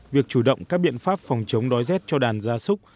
việc chủ động các biện pháp phòng chống đói rét cho đàn gia súc